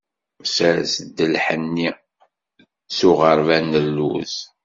Sers-d lḥenni, s uɣerbal n lluz.